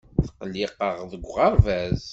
Tqelliqeɣ deg uɣerbaz.